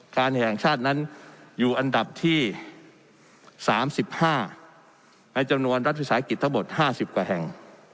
การแห่งชาตินั้นอยู่อันดับที่๓๕ในจำนวนรัฐวิสาหกิจทั้งหมด๕๐กว่าแห่ง